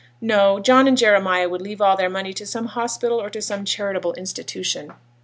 No; John and Jeremiah would leave all their money to some hospital or to some charitable institution.